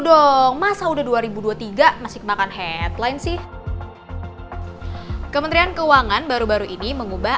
dong masa udah dua ribu dua puluh tiga masih makan headline sih kementerian keuangan baru baru ini mengubah